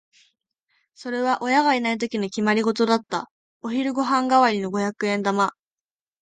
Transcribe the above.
それは親がいないときの決まりごとだった。お昼ご飯代わりの五百円玉。